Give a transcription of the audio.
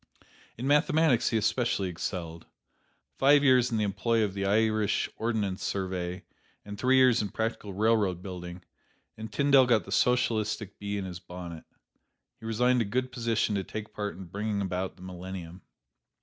In mathematics he especially excelled. Five years in the employ of the Irish Ordnance Survey and three years in practical railroad building, and Tyndall got the Socialistic bee in his bonnet. He resigned a good position to take part in bringing about the millennium.